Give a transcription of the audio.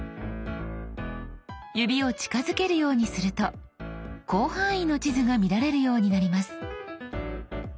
指を近づけるようにすると広範囲の地図が見られるようになります。